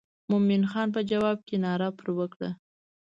مومن خان په جواب کې ناره پر وکړه.